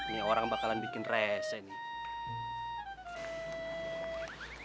ini orang bakalan bikin rese nih